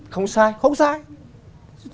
không sai không sai